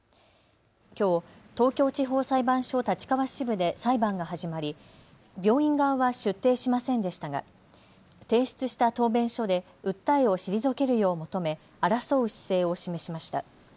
きょう東京地方裁判所立川支部で裁判が始まり病院側は出廷しませんでしたが提出した答弁書で訴えを退けるよう求め、争う姿勢を示しました。